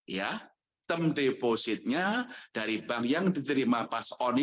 ya term depositnya dari bank yang diterima pass on i